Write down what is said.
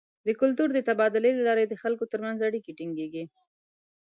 د کلتور د تبادلې له لارې د خلکو تر منځ اړیکې ټینګیږي.